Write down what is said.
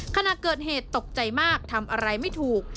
ขณะเกิดเหตุตกใจมากทำอะไรไม่ถูก